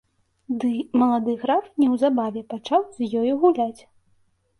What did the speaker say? Ды малады граф неўзабаве пачаў з ёю гуляць.